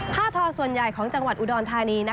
ทอส่วนใหญ่ของจังหวัดอุดรธานี